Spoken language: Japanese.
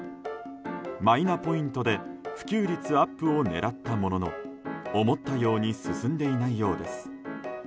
マイナポイントで普及率アップを狙ったものの思ったように進んでいないようです。